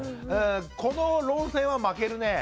この論戦は負けるね。